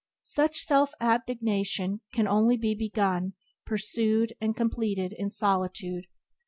Such self abnegation can only be begun, pursued, and completed in solitude.